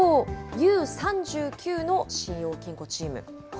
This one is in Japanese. Ｕー３９の信用金庫チーム。